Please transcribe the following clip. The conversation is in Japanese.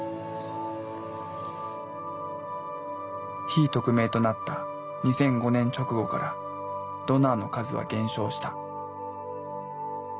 非匿名となった２００５年直後からドナーの数は減少した。